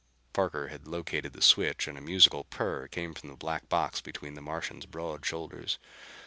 Parker had located the switch and a musical purr came from the black box between the Martian's broad shoulders.